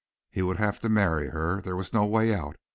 He would have to marry her. There was no way out.